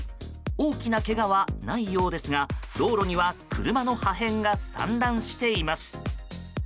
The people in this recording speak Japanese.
大きなけがはないようですが道路には車の破片が散乱しています。